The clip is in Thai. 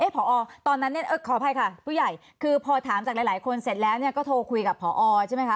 พอตอนนั้นขออภัยค่ะผู้ใหญ่คือพอถามจากหลายคนเสร็จแล้วก็โทรคุยกับพอใช่ไหมคะ